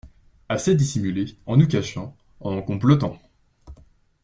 Assez dissimulé, en nous cachant, en complotant!